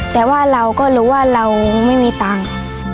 แต่ว่าเราก็รู้ว่าเราไม่มีตังค์